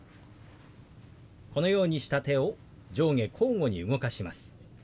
このようにした手を上下交互に動かします。